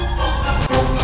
nggak tau udah pokoknya